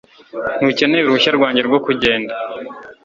Ntukeneye uruhushya rwanjye rwo kugenda